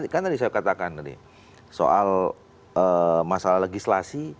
kan tadi saya katakan tadi soal masalah legislasi